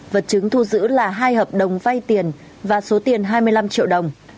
vật chứng thu giữ là hai hợp đồng vay tiền và số tiền hai mươi năm triệu đồng